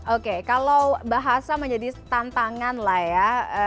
oke kalau bahasa menjadi tantangan lah ya